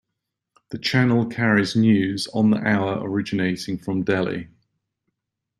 The Channel carries news on the hour originating from Delhi.